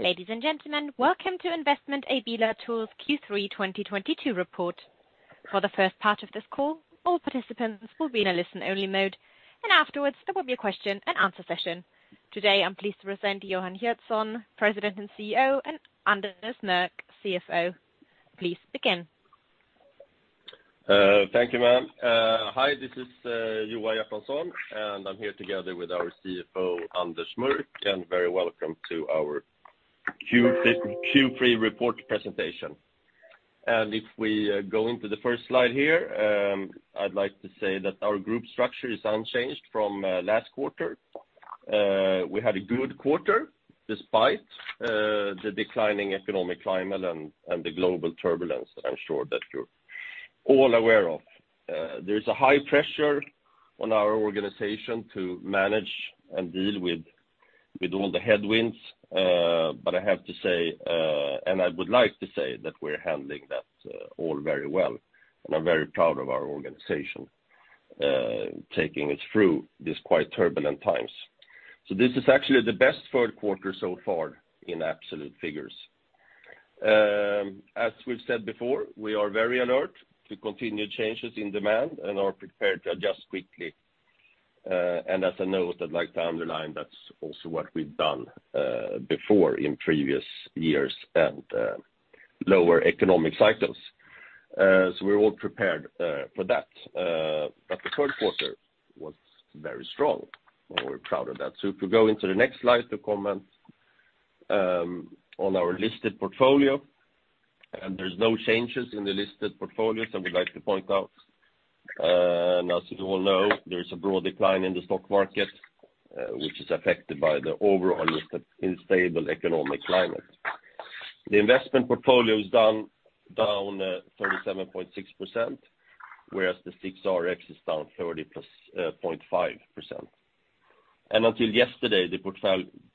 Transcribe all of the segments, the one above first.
Ladies and gentlemen, welcome to Investment AB Latour's Q3 2022 report. For the first part of this call, all participants will be in a listen-only mode, and afterwards, there will be a question and answer session. Today, I'm pleased to present Johan Hjertonsson, President and CEO, and Anders Mörck, CFO. Please begin. Thank you, ma'am. Hi, this is Johan Hjertonsson, and I'm here together with our CFO, Anders Mörck, and very welcome to our Q3 report presentation. If we go into the first slide here, I'd like to say that our group structure is unchanged from last quarter. We had a good quarter despite the declining economic climate and the global turbulence that I'm sure that you're all aware of. There's a high pressure on our organization to manage and deal with all the headwinds. I have to say, I would like to say that we're handling that all very well, and I'm very proud of our organization taking us through these quite turbulent times. This is actually the best third quarter so far in absolute figures. As we've said before, we are very alert to continued changes in demand and are prepared to adjust quickly. As a note, I'd like to underline that's also what we've done before in previous years and lower economic cycles. We're all prepared for that. The third quarter was very strong, and we're proud of that. If we go into the next slide to comment on our listed portfolio. There's no changes in the listed portfolio, we'd like to point out, and as you all know, there's a broad decline in the stock market, which is affected by the overall listed unstable economic climate. The investment portfolio is down 37.6%, whereas the SIXRX is down 30.5%. Until yesterday, the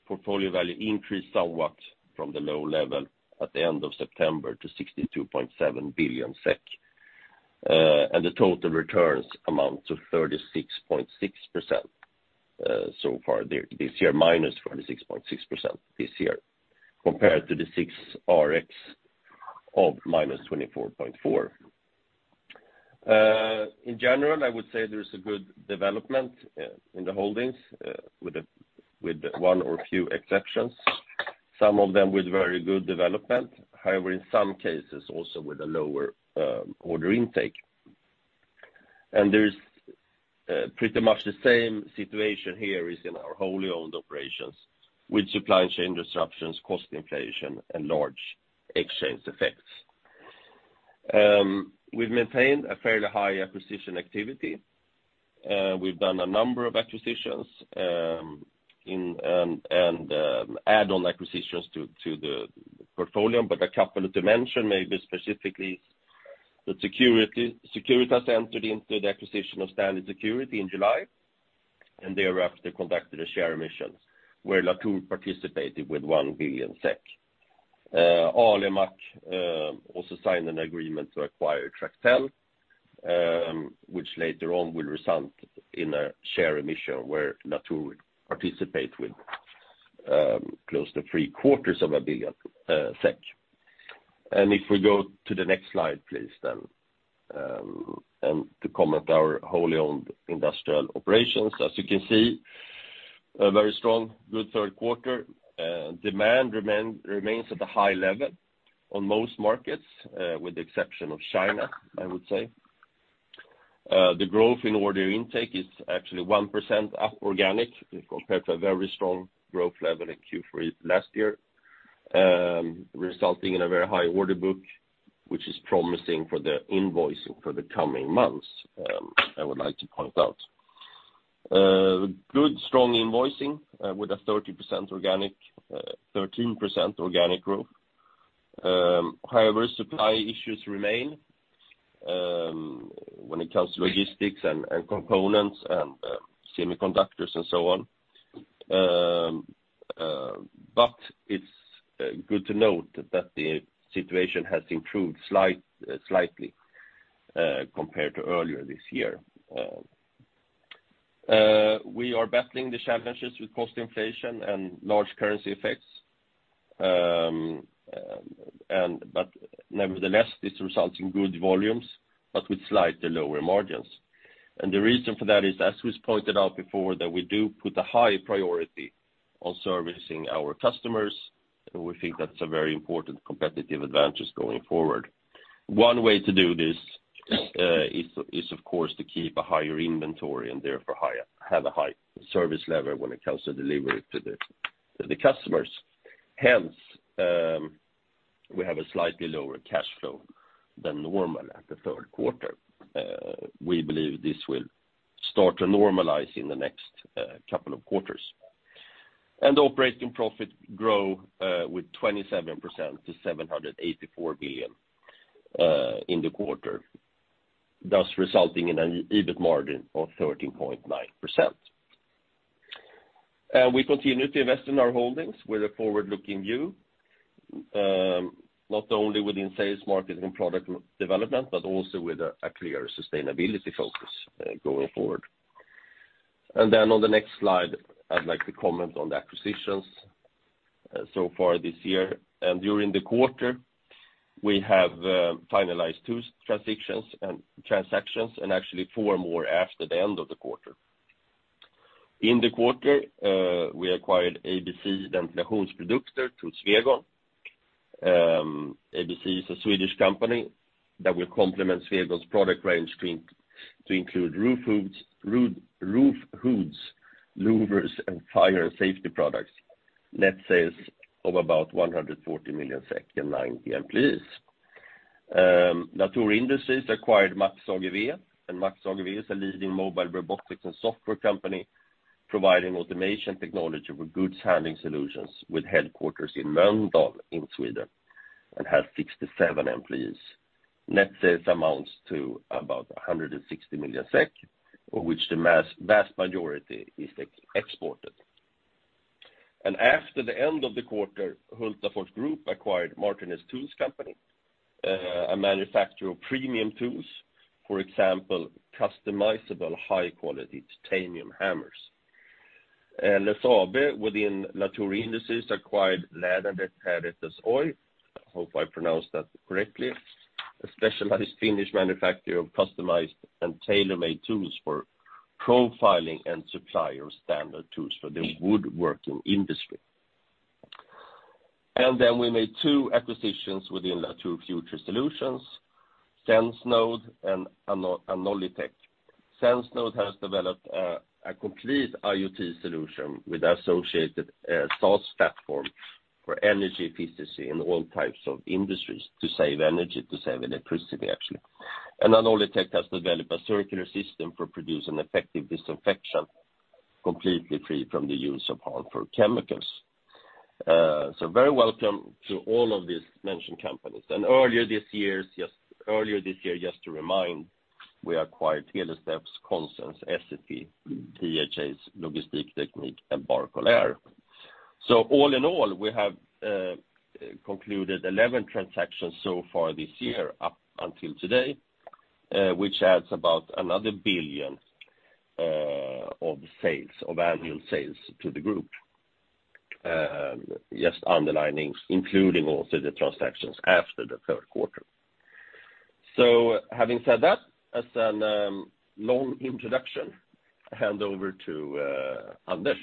portfolio value increased somewhat from the low level at the end of September to 62.7 billion SEK, and the total returns amount to 36.6% so far this year, minus 36.6% this year, compared to the SIXRX of minus 24.4%. In general, I would say there's a good development in the holdings with one or few exceptions, some of them with very good development. However, in some cases, also with a lower order intake. There's pretty much the same situation here is in our wholly owned operations with supply chain disruptions, cost inflation, and large exchange effects. We've maintained a fairly high acquisition activity. We've done a number of acquisitions and add-on acquisitions to the portfolio, but a couple to mention, maybe specifically that Securitas entered into the acquisition of STANLEY Security in July, and thereafter conducted a a share emission where Latour participated with 1 billion SEK. Alimak also signed an agreement to acquire Tractel which later on will result in a share emission where Latour will participate with close to three-quarters of a billion SEK. If we go to the next slide, please. To comment our wholly owned industrial operations. As you can see, a very strong, good third quarter. Demand remains at a high level on most markets, with the exception of China, I would say. The growth in order intake is actually 1% up organic compared to a very strong growth level in Q3 last year, resulting in a very high order book, which is promising for the invoicing for the coming months, I would like to point out. Good, strong invoicing with a 13% organic growth. Supply issues remain, when it comes to logistics and components and semiconductors and so on. It's good to note that the situation has improved slightly compared to earlier this year. We are battling the challenges with cost inflation and large currency effects. Nevertheless, this results in good volumes, but with slightly lower margins. The reason for that is, as was pointed out before, that we do put a high priority on servicing our customers, and we think that's a very important competitive advantage going forward. One way to do this is, of course, to keep a higher inventory and therefore have a high service level when it comes to delivery to the customers. Hence, we have a slightly lower cash flow than normal at the third quarter. We believe this will start to normalize in the next couple of quarters. Operating profit grow with 27% to 784 million in the quarter, thus resulting in an EBIT margin of 13.9%. We continue to invest in our holdings with a forward-looking view, not only within sales, marketing, product development, but also with a clear sustainability focus going forward. On the next slide, I'd like to comment on the acquisitions so far this year. During the quarter, we have finalized two transactions, and actually four more after the end of the quarter. In the quarter, we acquired ABC Ventilationsprodukter through Swegon. ABC is a Swedish company that will complement Swegon's product range to include roof hoods, louvers, and fire and safety products. Net sales of about 140 million SEK and nine employees. Latour Industries acquired MAXAGV. MAXAGV is a leading mobile robotics and software company providing automation technology with goods handling solutions, with headquarters in Mölndal in Sweden, and has 67 employees. Net sales amounts to about 160 million SEK, of which the vast majority is exported. After the end of the quarter, Hultafors Group acquired Martinez Tool Co., a manufacturer of premium tools. For example, customizable high-quality titanium hammers. LSAB, within Latour Industries, acquired Lahden Teräteos Oy. I hope I pronounced that correctly. A specialized Finnish manufacturer of customized and tailor-made tools for profiling and supplier standard tools for the woodworking industry. We made two acquisitions within Latour Future Solutions, SenseNode and Anolytech. SenseNode has developed a complete IoT solution with associated SaaS platform for energy efficiency in all types of industries to save electricity. Anolytech has developed a circular system for producing effective disinfection completely free from the use of harmful chemicals. Very welcome to all of these mentioned companies. Earlier this year, just to remind, we acquired Telestacks, Constants, SCP, PHS Logistiktechnik, and Barcol-Air. All in all, we have concluded 11 transactions so far this year up until today, which adds about another 1 billion of annual sales to the group. Just underlining, including also the transactions after the third quarter. Having said that, as a long introduction, I hand over to Anders.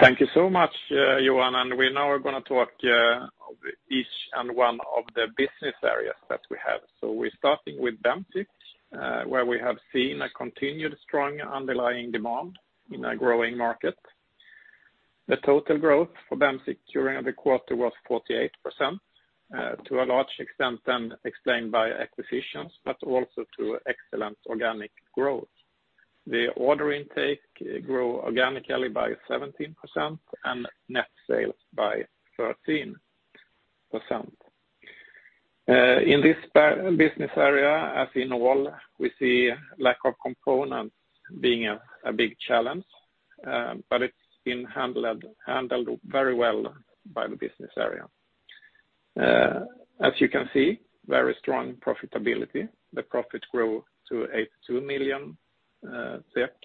Thank you so much, Johan. We now are going to talk of each and one of the business areas that we have. We're starting with Bemsiq, where we have seen a continued strong underlying demand in a growing market. The total growth for Bemsiq during the quarter was 48%, to a large extent then explained by acquisitions, but also through excellent organic growth. The order intake grew organically by 17% and net sales by 13%. In this business area, as in all, we see lack of components being a big challenge, but it's been handled very well by the business area. As you can see, very strong profitability. The profit grew to 82 million SEK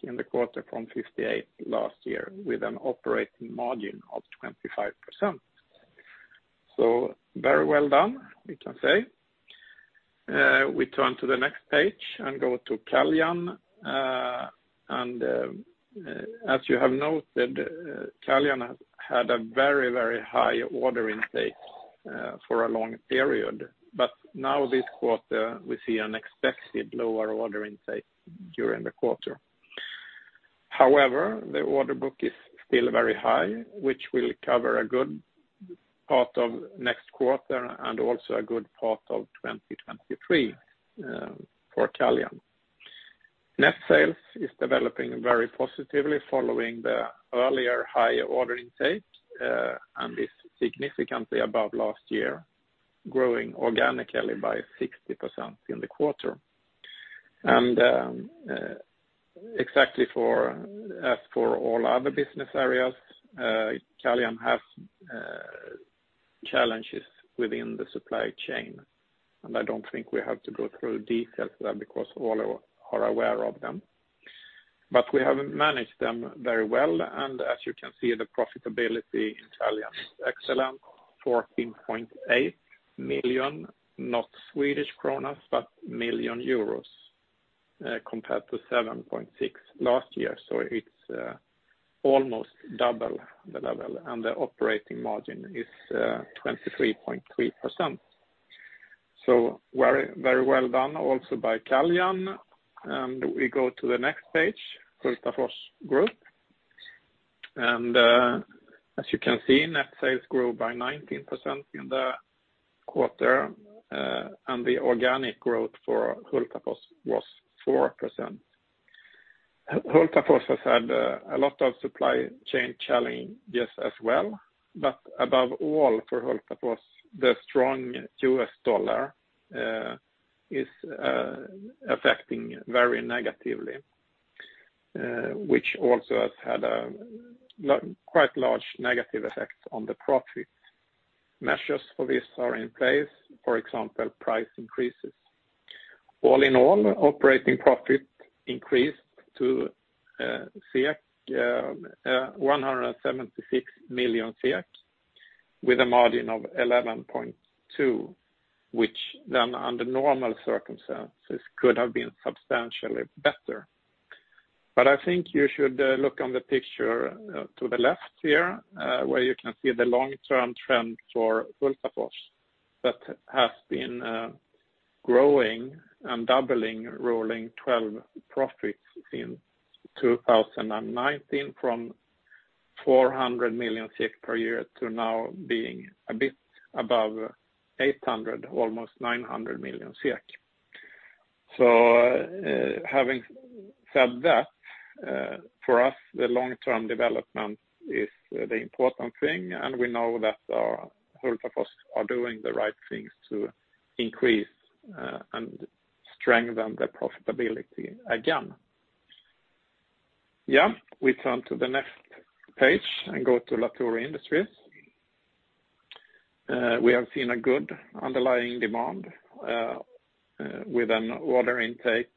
in the quarter from 58 million last year, with an operating margin of 25%. Very well done, we can say. We turn to the next page and go to Caljan. As you have noted, Caljan had a very high order intake for a long period. Now this quarter, we see an expected lower order intake during the quarter. However, the order book is still very high, which will cover a good part of next quarter and also a good part of 2023 for Caljan. Net sales is developing very positively following the earlier high order intake, and is significantly above last year, growing organically by 60% in the quarter. Exactly as for all other business areas, Caljan have challenges within the supply chain. I don't think we have to go through details of that because all are aware of them. We have managed them very well, and as you can see, the profitability in Caljan is excellent, 14.8 million, not Swedish krona, but million euros, compared to 7.6 million last year. It's almost double the level, and the operating margin is 23.3%. Very well done also by Caljan. We go to the next page, Hultafors Group. As you can see, net sales grew by 19% in the quarter, and the organic growth for Hultafors was 4%. Hultafors has had a lot of supply chain challenges as well, but above all, for Hultafors, the strong US dollar is affecting very negatively. Which also has had a quite large negative effect on the profit. Measures for this are in place, for example, price increases. All in all, operating profit increased to 176 million with a margin of 11.2%, which then under normal circumstances could have been substantially better. I think you should look on the picture to the left here, where you can see the long-term trend for Hultafors that has been growing and doubling rolling 12 profits since 2019 from 400 million per year to now being a bit above 800, almost 900 million. Having said that, for us, the long-term development is the important thing, and we know that Hultafors are doing the right things to increase and strengthen the profitability again. We turn to the next page and go to Latour Industries. We have seen a good underlying demand with an order intake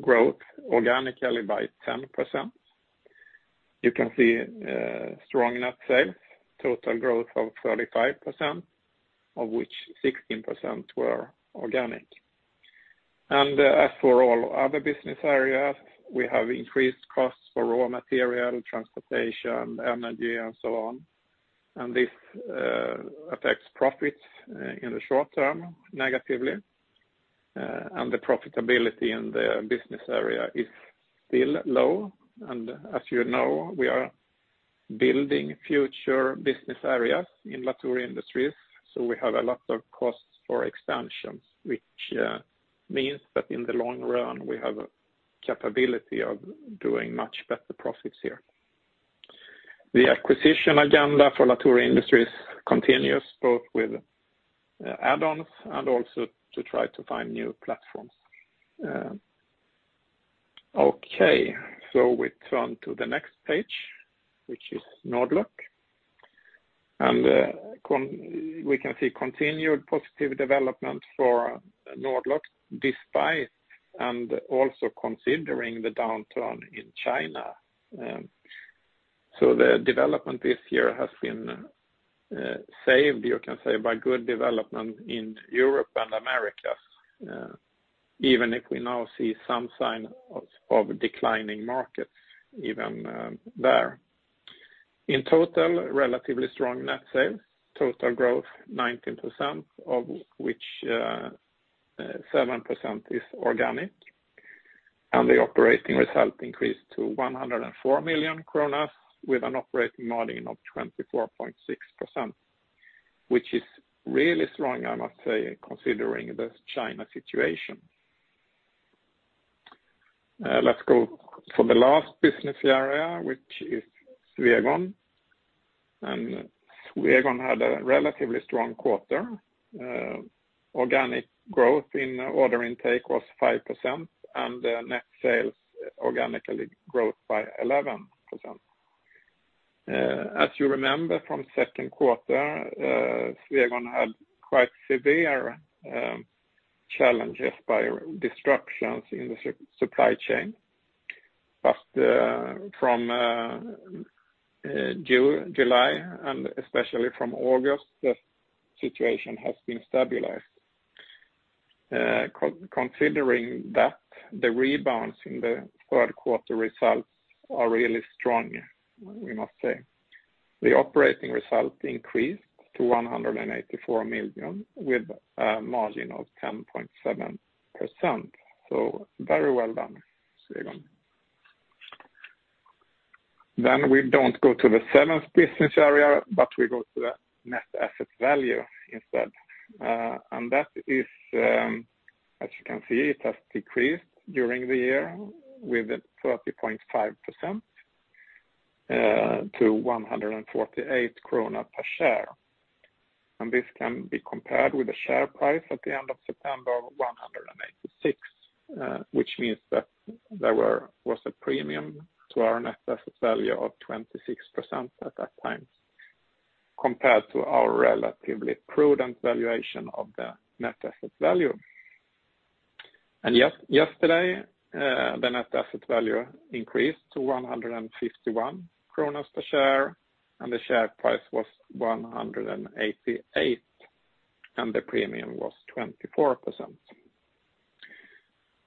growth organically by 10%. You can see strong net sales, total growth of 35%, of which 16% were organic. As for all other business areas, we have increased costs for raw material, transportation, energy, and so on. This affects profits in the short term negatively. The profitability in the business area is still low. As you know, we are building future business areas in Latour Industries, so we have a lot of costs for expansions, which means that in the long run, we have a capability of doing much better profits here. The acquisition agenda for Latour Industries continues both with add-ons and also to try to find new platforms. We turn to the next page, which is Nord-Lock. We can see continued positive development for Nord-Lock, despite and also considering the downturn in China. The development this year has been saved, you can say, by good development in Europe and Americas, even if we now see some sign of declining markets even there. In total, relatively strong net sales, total growth 19%, of which 7% is organic, and the operating result increased to 104 million kronor with an operating margin of 24.6%, which is really strong, I must say, considering the China situation. Let's go for the last business area, which is Swegon. Swegon had a relatively strong quarter. Organic growth in order intake was 5%, and the net sales organically growth by 11%. As you remember from second quarter, Swegon had quite severe challenges by disruptions in the supply chain. From July, and especially from August, the situation has been stabilized. Considering that the rebounds in the third quarter results are really strong, we must say. The operating result increased to 184 million with a margin of 10.7%. Very well done, Swegon. We don't go to the seventh business area, but we go to the net asset value instead. That is, as you can see, it has decreased during the year with 30.5% to 148 krona per share. This can be compared with the share price at the end of September of 186, which means that there was a premium to our net asset value of 26% at that time compared to our relatively prudent valuation of the net asset value. Yesterday, the net asset value increased to 151 per share, and the share price was 188, and the premium was 24%.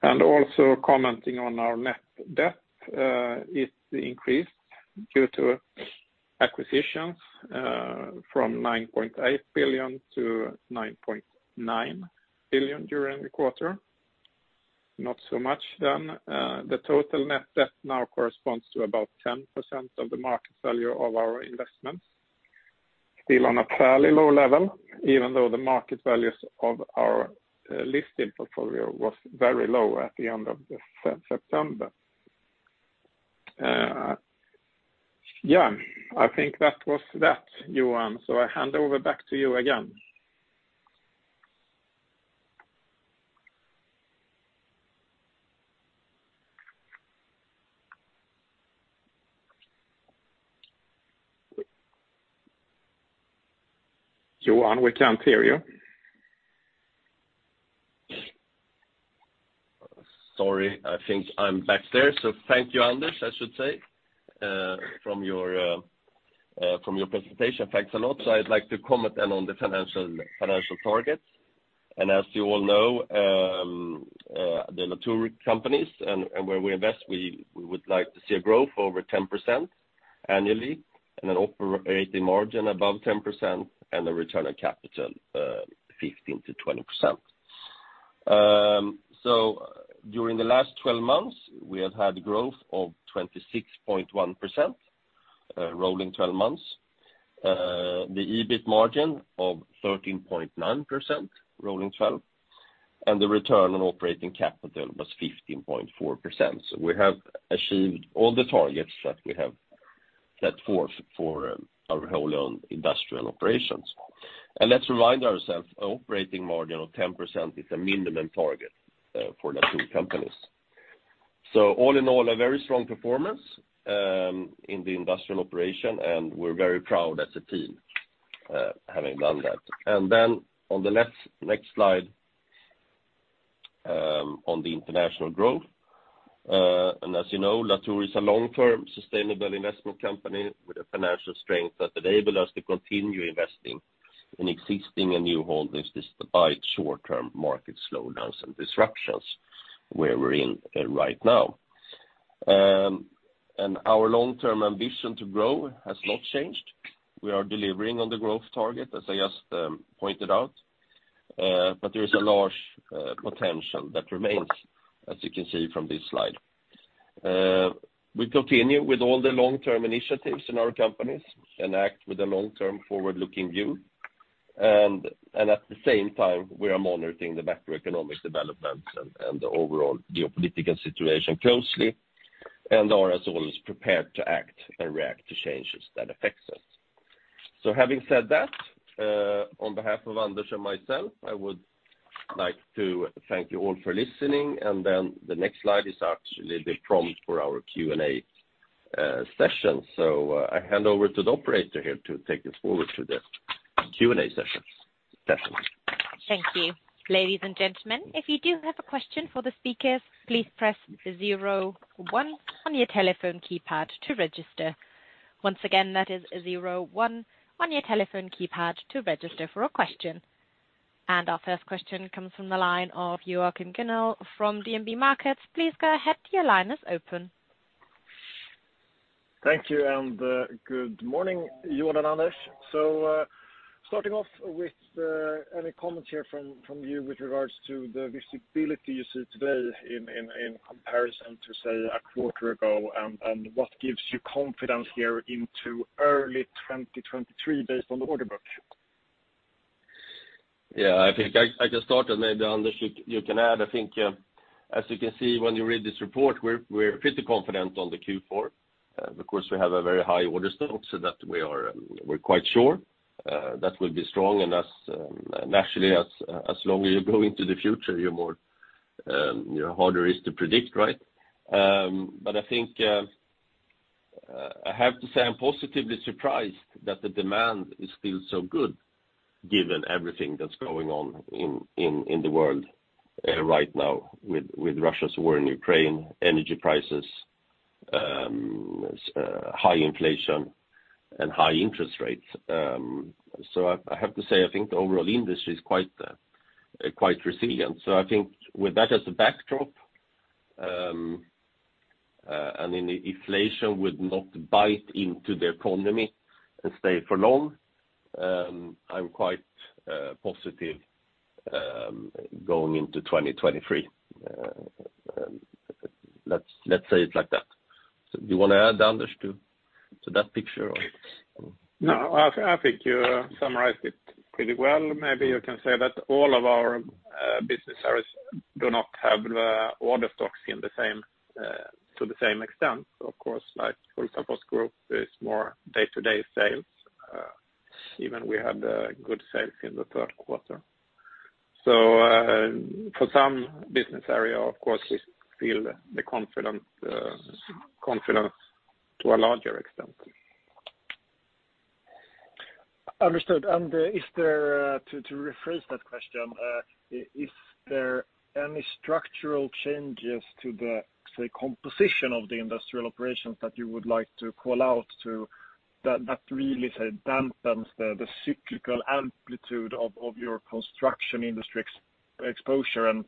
Also commenting on our net debt, it increased due to acquisitions from 9.8 billion to 9.9 billion during the quarter. Not so much then. The total net debt now corresponds to about 10% of the market value of our investments. Still on a fairly low level, even though the market values of our listed portfolio was very low at the end of September. I think that was that, Johan. I hand over back to you again Johan, we can't hear you. Sorry, I think I'm back there. Thank you, Anders, I should say, from your presentation. Thanks a lot. I'd like to comment then on the financial targets. As you all know, the Latour companies and where we invest, we would like to see a growth over 10% annually and an operating margin above 10% and a return on capital, 15%-20%. During the last 12 months, we have had growth of 26.1%, rolling 12 months. The EBIT margin of 13.9%, rolling 12, and the return on operating capital was 15.4%. We have achieved all the targets that we have set forth for our whole owned industrial operations. Let's remind ourselves, an operating margin of 10% is a minimum target for Latour companies. All in all, a very strong performance in the industrial operation, and we're very proud as a team having done that. Then on the next slide, on the international growth. As you know, Latour is a long-term sustainable investment company with a financial strength that enable us to continue investing in existing and new holdings despite short-term market slowdowns and disruptions where we're in right now. Our long-term ambition to grow has not changed. We are delivering on the growth target, as I just pointed out. There is a large potential that remains, as you can see from this slide. We continue with all the long-term initiatives in our companies and act with a long-term forward-looking view. At the same time, we are monitoring the macroeconomic developments and the overall geopolitical situation closely and are as always prepared to act and react to changes that affect us. Having said that, on behalf of Anders and myself, I would like to thank you all for listening. Then the next slide is actually the prompt for our Q&A session. I hand over to the operator here to take this forward to the Q&A session. Thank you. Ladies and gentlemen, if you do have a question for the speakers, please press zero one on your telephone keypad to register. Once again, that is zero one on your telephone keypad to register for a question. Our first question comes from the line of Joachim Gunnel from DNB Markets. Please go ahead, your line is open. Thank you, good morning, Johan and Anders. Starting off with any comments here from you with regards to the visibility you see today in comparison to, say, a quarter ago, and what gives you confidence here into early 2023 based on the order book? I think I can start and maybe, Anders, you can add. As you can see when you read this report, we're pretty confident on the Q4. Of course, we have a very high order stock, that we're quite sure that will be strong. Naturally, as long as you go into the future, harder is to predict, right? I think, I have to say I'm positively surprised that the demand is still so good given everything that's going on in the world right now with Russia's war in Ukraine, energy prices, high inflation, and high interest rates. I have to say, I think the overall industry is quite resilient. I think with that as a backdrop, and then the inflation would not bite into the economy and stay for long, I'm quite positive going into 2023. Let's say it like that. Do you want to add, Anders, to that picture or? No, I think you summarized it pretty well. Maybe you can say that all of our business areas do not have order stocks to the same extent. Of course, like Hultafors Group is more day-to-day sales. Even we had good sales in the third quarter. For some business area, of course, we feel the confidence to a larger extent. Understood. To rephrase that question, is there any structural changes to the, say, composition of the industrial operations that you would like to call out to that really dampens the cyclical amplitude of your construction industry exposure and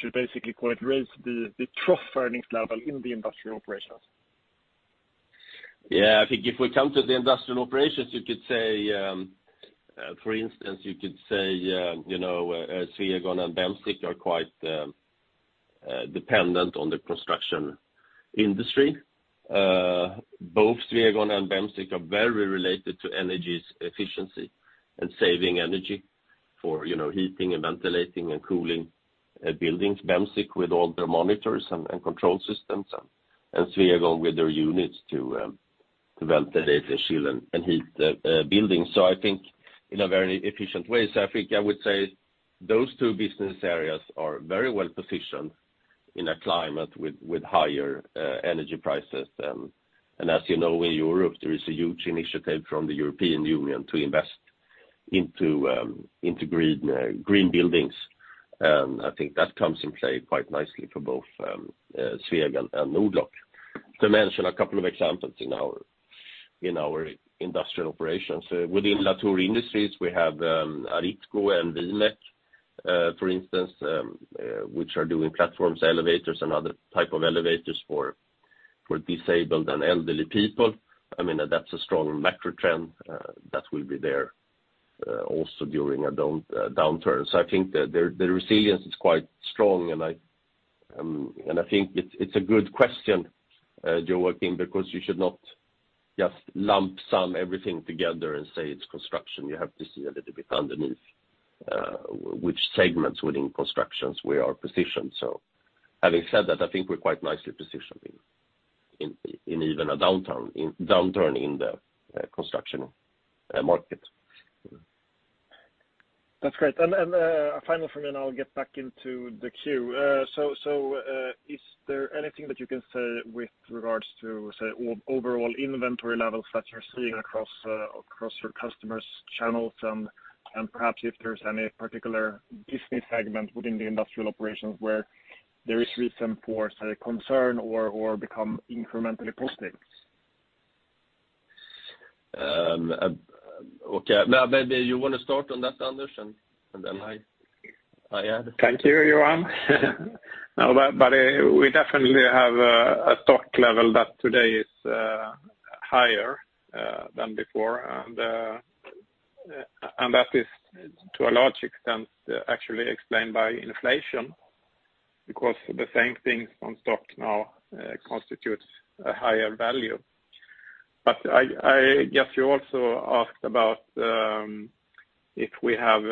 should basically, quote, "Raise the trough earnings level in the industrial operations"? I think if we come to the industrial operations, for instance, you could say Swegon and Bemsiq are quite dependent on the construction industry. Both Swegon and Bemsiq are very related to energy efficiency and saving energy for heating and ventilating and cooling buildings. Bemsiq with all their monitors and control systems, and Swegon with their units to develop the data shield and heat the building. I think in a very efficient way, I would say those two business areas are very well positioned in a climate with higher energy prices. As you know, in Europe, there is a huge initiative from the European Union to invest into green buildings, and I think that comes in play quite nicely for both Swegon and Nord-Lock. To mention a couple of examples in our industrial operations, within Latour Industries, we have Aritco and Vimec, for instance, which are doing platforms, elevators and other type of elevators for disabled and elderly people. That's a strong macro trend that will be there also during a downturn. I think the resilience is quite strong, and I think it's a good question, Joachim, because you should not just lump sum everything together and say it's construction. You have to see a little bit underneath which segments within constructions we are positioned. Having said that, I think we're quite nicely positioned in even a downturn in the construction market. That's great. A final from me, I'll get back into the queue. Is there anything that you can say with regards to, say, overall inventory levels that you're seeing across your customers' channels? Perhaps if there's any particular business segment within the industrial operations where there is reason for concern or become incrementally positive? Okay. Maybe you want to start on that, Anders, then I add. Thank you, Johan. We definitely have a stock level that today is higher than before, and that is to a large extent actually explained by inflation, because the same things on stock now constitutes a higher value. I guess you also asked about if we have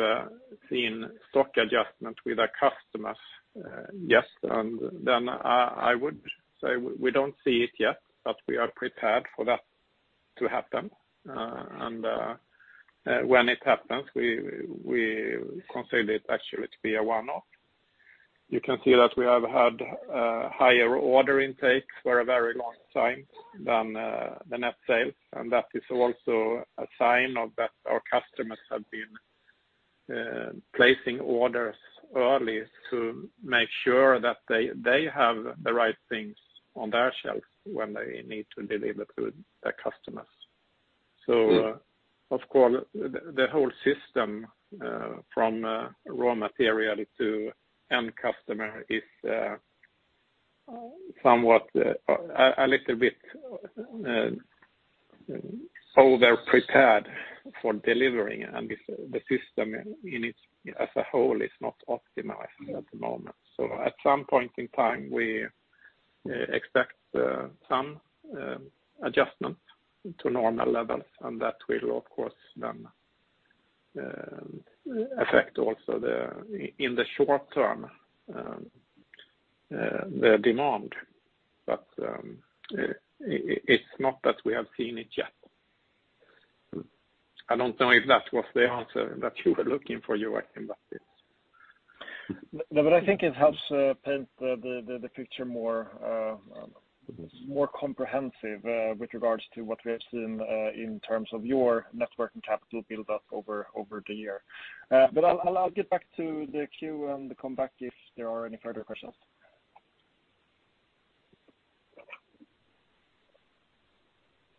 seen stock adjustment with our customers. Yes, then I would say we don't see it yet, but we are prepared for that to happen. When it happens, we consider it actually to be a one-off. You can see that we have had a higher order intake for a very long time than the net sales, and that is also a sign that our customers have been placing orders early to make sure that they have the right things on their shelf when they need to deliver to their customers. Of course, the whole system, from raw material to end customer, is a little bit overprepared for delivering, and the system as a whole is not optimized at the moment. At some point in time, we expect some adjustment to normal levels, and that will, of course, then affect also in the short term, the demand. It's not that we have seen it yet. I don't know if that was the answer that you were looking for, Joachim, yes. I think it helps paint the picture more comprehensive with regards to what we have seen in terms of your net working capital build up over the year. I'll get back to the queue and come back if there are any further questions.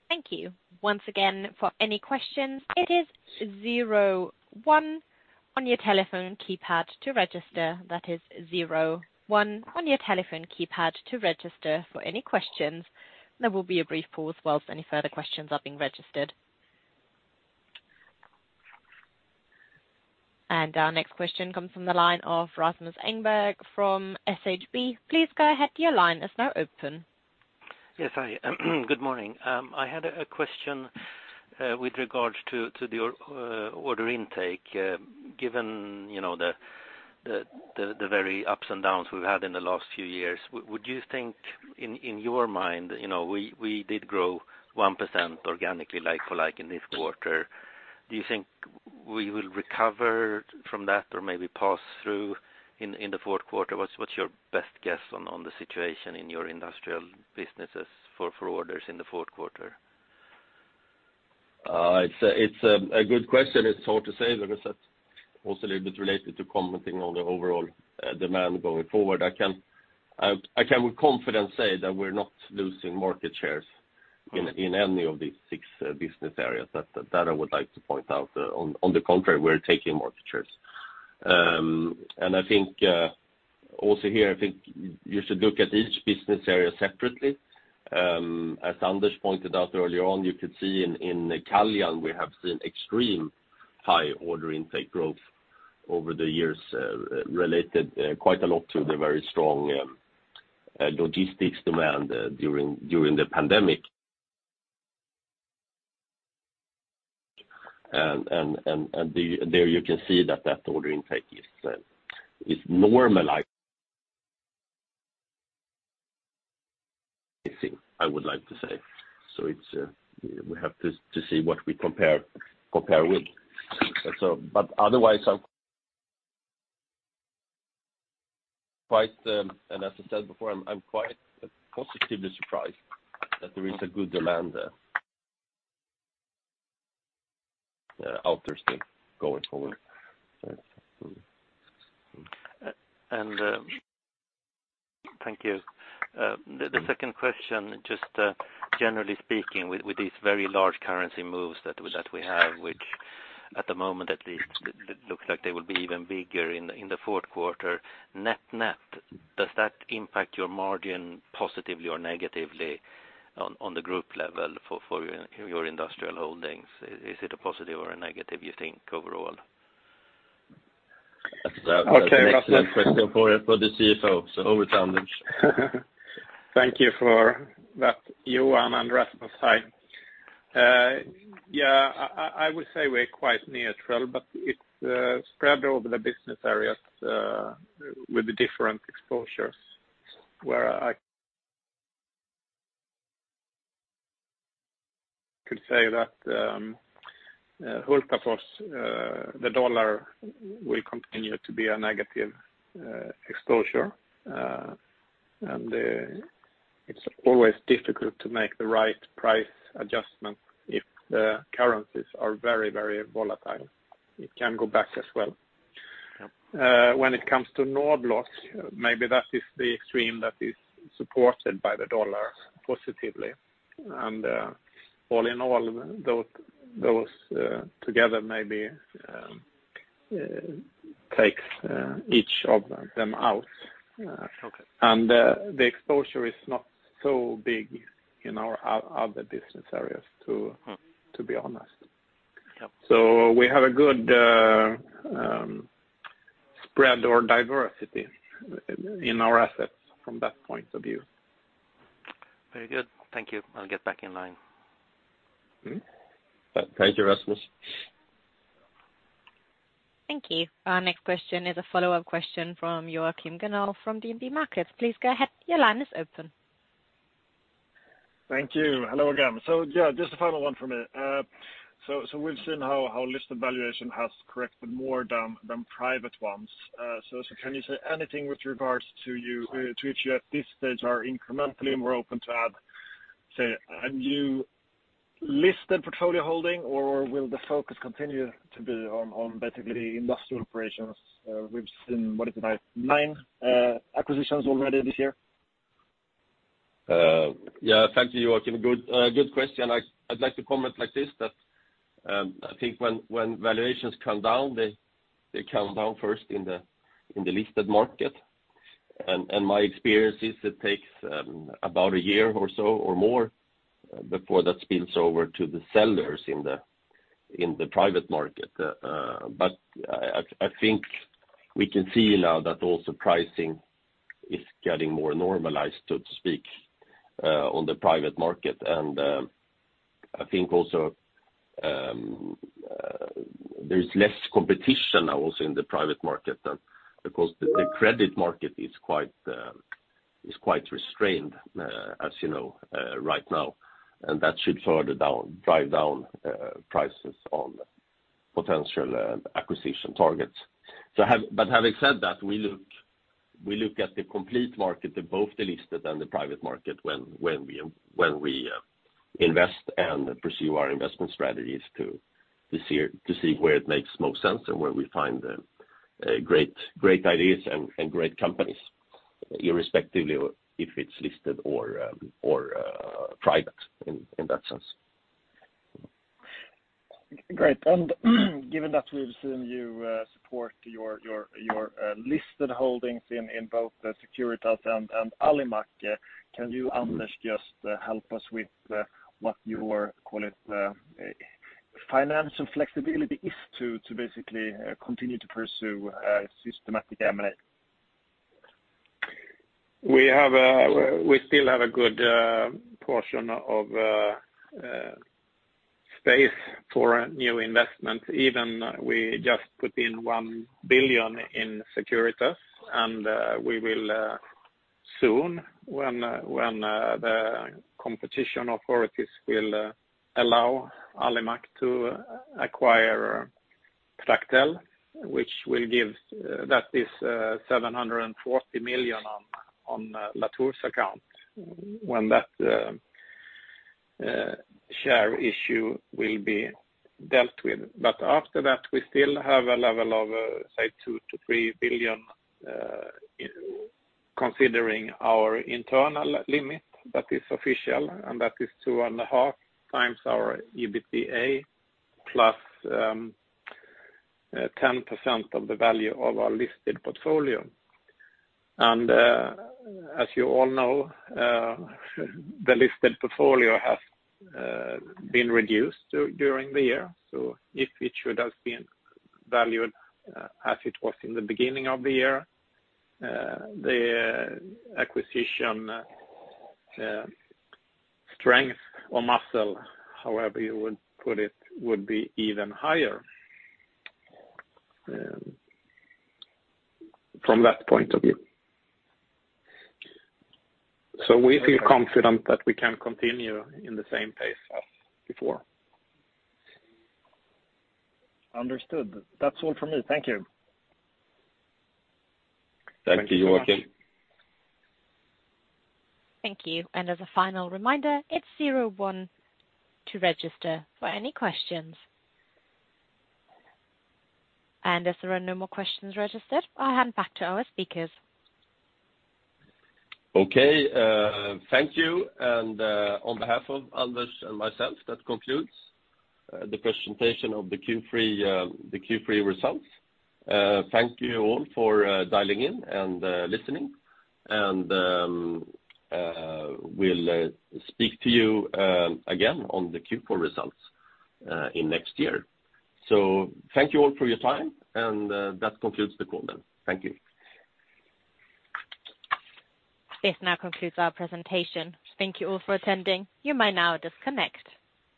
Thank you. Once again, for any questions, it is zero one on your telephone keypad to register. That is zero one on your telephone keypad to register for any questions. There will be a brief pause whilst any further questions are being registered. Our next question comes from the line of Rasmus Engberg from SHB. Please go ahead, your line is now open. Yes, hi. Good morning. I had a question with regards to the order intake. Given the very ups and downs we've had in the last few years, would you think in your mind, we did grow 1% organically like for like in this quarter. Do you think we will recover from that or maybe pass through in the fourth quarter? What's your best guess on the situation in your industrial businesses for orders in the fourth quarter? It's a good question. It's hard to say because that's also a little bit related to commenting on the overall demand going forward. I can with confidence say that we're not losing market shares in any of these six business areas. That I would like to point out. On the contrary, we're taking market shares. Also here, I think you should look at each business area separately. As Anders pointed out earlier on, you could see in Caljan we have seen extreme high order intake growth over the years, related quite a lot to the very strong logistics demand during the pandemic. There you can see that order intake is normalizing, I would like to say. We have to see what we compare with. Otherwise, and as I said before, I'm quite positively surprised that there is a good demand out there still going forward. Thank you. The second question, just generally speaking, with these very large currency moves that we have, which at the moment at least it looks like they will be even bigger in the fourth quarter. Net, does that impact your margin positively or negatively on the group level for your industrial holdings? Is it a positive or a negative, you think, overall? That's a question for the CFO. Over to Anders. Thank you for that, Johan and Rasmus. I would say we're quite neutral. It's spread over the business areas with the different exposures where I could say that Hultafors, the US dollar will continue to be a negative exposure. It's always difficult to make the right price adjustment if the currencies are very volatile. It can go back as well. Yep. When it comes to Nord-Lock, maybe that is the extreme that is supported by the US dollar positively. All in all, those together maybe takes each of them out. Okay. The exposure is not so big in our other business areas, to be honest. Yep. We have a good spread or diversity in our assets from that point of view. Very good. Thank you. I'll get back in line. Thank you, Rasmus. Thank you. Our next question is a follow-up question from Joachim Gunnel from DNB Markets. Please go ahead. Your line is open. Thank you. Hello again. Just the final one from me. We've seen how listed valuation has corrected more than private ones. Can you say anything with regards to which you at this stage are incrementally more open to a new listed portfolio holding, or will the focus continue to be on basically industrial operations? We've seen, what is it now? Nine acquisitions already this year. Thank you, Joakim. Good question. I'd like to comment like this, that I think when valuations come down, they come down first in the listed market. My experience is it takes about a year or so or more before that spills over to the sellers in the private market. I think we can see now that also pricing is getting more normalized, so to speak, on the private market. I think also there's less competition now also in the private market because the credit market is quite restrained as you know right now, and that should further drive down prices on potential acquisition targets. Having said that, we look at the complete market, both the listed and the private market when we invest and pursue our investment strategies to see where it makes most sense and where we find great ideas and great companies, irrespectively if it's listed or private in that sense. Great. Given that we've seen you support your listed holdings in both Securitas and Alimak, can you, Anders, just help us with what your, call it, financial flexibility is to basically continue to pursue systematic M&A? We still have a good portion of space for new investments, even we just put in 1 billion in Securitas, we will soon, when the competition authorities will allow Alimak to acquire Tractel, that is 740 million on Latour's account, when that share issue will be dealt with. After that, we still have a level of, say, 2 billion-3 billion considering our internal limit that is official, that is 2.5 times our EBITDA plus 10% of the value of our listed portfolio. As you all know, the listed portfolio has been reduced during the year. If it should have been valued as it was in the beginning of the year, the acquisition strength or muscle, however you would put it, would be even higher from that point of view. We feel confident that we can continue in the same pace as before. Understood. That's all from me. Thank you. Thank you, Joachim. Thank you so much. Thank you. As a final reminder, it's 01 to register for any questions. As there are no more questions registered, I hand back to our speakers. Okay. Thank you. On behalf of Anders and myself, that concludes the presentation of the Q3 results. Thank you all for dialing in and listening. We'll speak to you again on the Q4 results in next year. Thank you all for your time, and that concludes the call then. Thank you. This now concludes our presentation. Thank you all for attending. You may now disconnect.